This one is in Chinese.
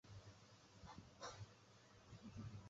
大新县是中国广西壮族自治区崇左市所辖的一个县。